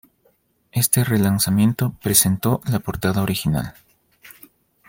Este relanzamiento presentó la portada original.